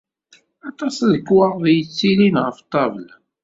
Aṭas n lekkwaɣeḍ yettilin ɣef ṭṭabla